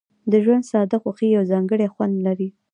د ژوند ساده خوښۍ یو ځانګړی خوند لري.